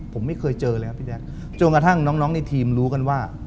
ผมไม่เคยเจอแล้วพี่แจ๊คจนกระทั่งน้องในทีมรู้กันว่า